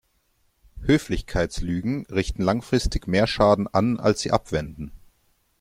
Höflichkeitslügen richten langfristig mehr Schaden an, als sie abwenden.